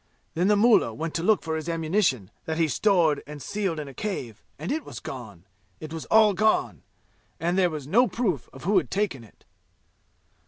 Then the mullah went to look for his ammunition that he stored and sealed in a cave. And it was gone. It was all gone. And there was no proof of who had taken it!